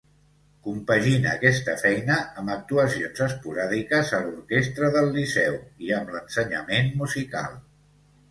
Compaginà aquesta feina amb actuacions esporàdiques a l'Orquestra del Liceu i amb l'ensenyament musical.